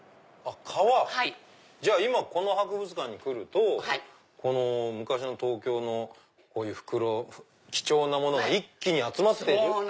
じゃあ今この博物館に来ると昔の東京のこういう袋貴重なものが一気に集まっている。